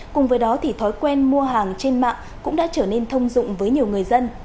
cùng với đó thì thói quen mua hàng trên mạng cũng đã trở nên thông dụng với nhiều người dân